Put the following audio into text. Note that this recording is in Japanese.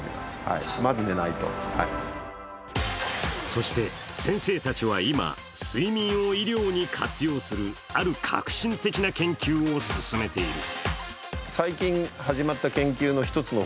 そして先生たちは今、睡眠を医療に活用するある革新的な研究を進めている。